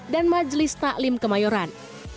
dan majlis taklim kemayoran